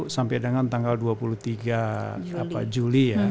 sampai dengan tanggal dua puluh tiga juli ya